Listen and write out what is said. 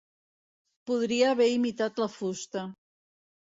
Podria haver imitat la fusta.